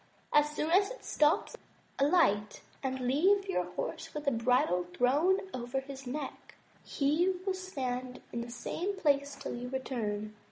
As soon as it stops, alight, and leave your horse with the bridle thrown over his neck; he will stand in the same place till you return.